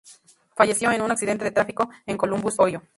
Falleció en un accidente de tráfico en Columbus, Ohio.